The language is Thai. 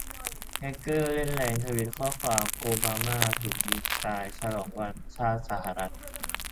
แฮ็กเกอร์เล่นแรง ทวีตข้อความ"โอบามา"ถูกยิงตายฉลองวันชาติสหรัฐ